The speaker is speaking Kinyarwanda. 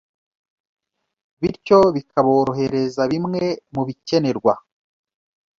bityo bikaborohereza bimwe mu bikenerwa